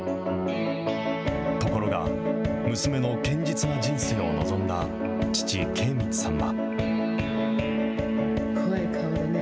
ところが、娘の堅実な人生を望んだ父、敬光さんは。